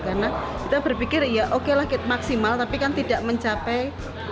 karena kita berpikir ya oke lah maksimal tapi kan tidak mencapai seratus